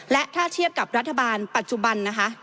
และถ้าเทียบกับรัฐบาลปัจจุบันนะคะ